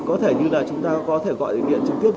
có thể như là chúng ta có thể gọi điện trực tiếp